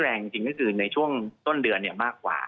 แรงจริงจริงคือในช่วงต้นเดือนเนี่ยมากกว่า